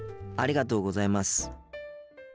ありがとうございます。